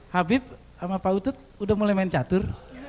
habib sama pak utut udah mulai main catur